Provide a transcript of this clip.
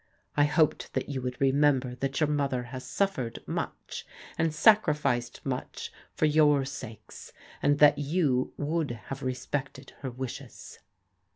I hoped that you would re member that your mother has suffered much, and sacri ficed much for your sakes, and that you would have re spected her wishes."